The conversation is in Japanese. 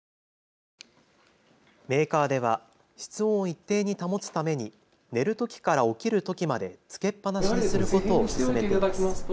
メーカーでは室温を一定に保つために寝るときから起きるときまでつけっぱなしにすることを勧めています。